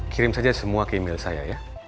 kirim saja semua ke email saya ya